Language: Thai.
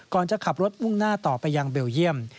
จะขับรถมุ่งหน้าต่อไปยังเบลเยี่ยม